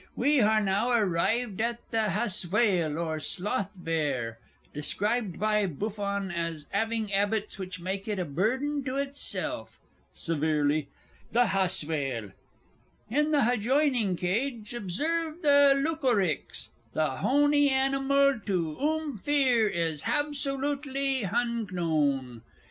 We har now arrived at the Haswail, or Sloth Bear, described by Buffon as 'aving 'abits which make it a burden to itself. (Severely.) The Haswail. In the hajoinin' cage observe the Loocorricks, the hony hanimal to oom fear is habsolootly hunknown.